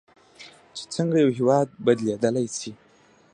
چې څنګه یو هیواد بدلیدلی شي.